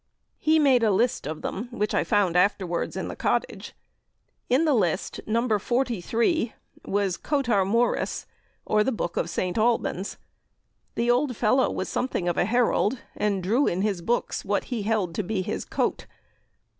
He made a list of them, which I found afterwards in the cottage. In the list, No. 43 was 'Cotarmouris,' or the Boke of St. Albans. The old fellow was something of a herald, and drew in his books what he held to be his coat.